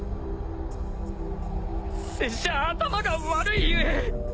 拙者頭が悪い故！